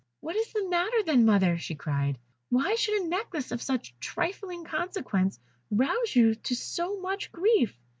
"What is the matter, then, mother?" she cried. "Why should a necklace of such trifling consequence rouse you to so much grief?"